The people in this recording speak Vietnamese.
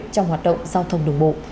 trong hoạt động giao thông đường bộ